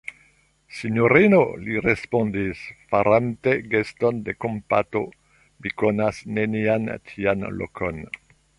Sinjorino, li respondis, farante geston de kompato, mi konas nenian tian lokon.